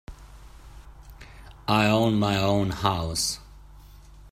I own my own house.